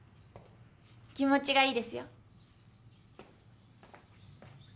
気持ちがいいですよ。